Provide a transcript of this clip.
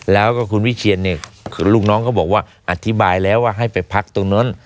แล้วก็คุณวิเชียนเนี่ยลูกน้องก็บอกว่าอธิบายแล้วว่าให้ไปพักตรงนั้น